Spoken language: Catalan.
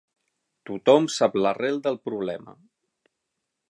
Tothom sap l'arrel del problema.